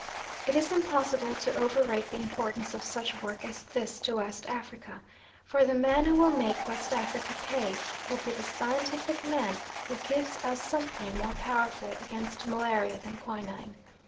It is impossible to over rate the importance of such work as this to West Africa, for the man who will make West Africa pay will be the scientific man who gives us something more powerful against malaria than quinine.